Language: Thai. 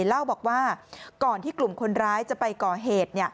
เล่าบอกว่าก่อนที่กลุ่มคนร้ายจะไปก่อเหตุ